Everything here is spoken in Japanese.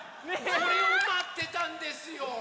これをまってたんですよ。